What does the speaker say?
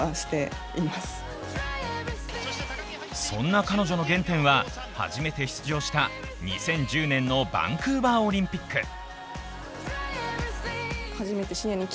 そんな彼女の原点は初めて出場した２０１０年のバンクーバーオリンピック。